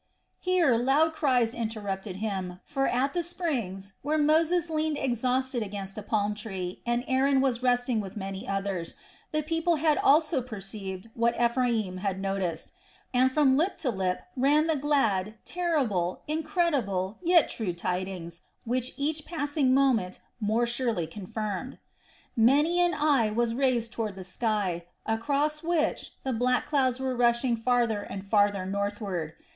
Here loud cries interrupted him; for at the springs where Moses leaned exhausted against a palm tree, and Aaron was resting with many others, the people had also perceived what Ephraim had noticed and from lip to lip ran the glad, terrible, incredible, yet true tidings, which each passing moment more surely confirmed. Many an eye was raised toward the sky, across which the black clouds were rushing farther and farther northward.